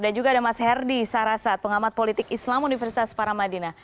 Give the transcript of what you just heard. dan juga ada mas herdi sarasat pengamat politik islam universitas paramadina